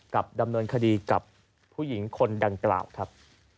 ดำเนินคดีกับผู้หญิงคนดังกล่าวครับ